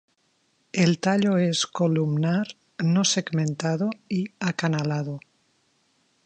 El tallo es columnar, no segmentado y acanalado.